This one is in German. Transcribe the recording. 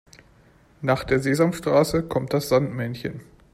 Nach der Sesamstraße kommt das Sandmännchen.